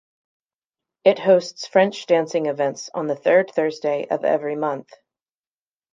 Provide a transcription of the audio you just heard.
It hosts French dancing events on the third Thursday of every month.